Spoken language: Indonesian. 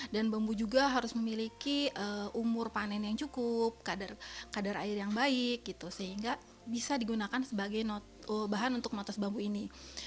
dan bambu juga harus memiliki umur panen yang cukup kadar air yang baik sehingga bisa digunakan sebagai bahan untuk notes bambu ini